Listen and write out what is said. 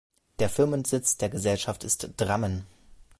Der Firmensitz der Gesellschaft ist Drammen.